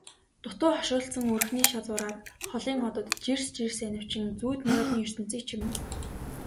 Дутуу хошуулдсан өрхний шазуураар холын одод жирс жирс анивчин зүүд нойрны ертөнцийг чимнэ.